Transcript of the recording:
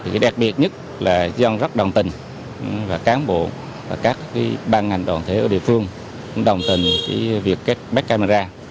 cái đặc biệt nhất là dân rất đồng tình và cán bộ và các ban ngành đoàn thể ở địa phương đồng tình với việc bắt camera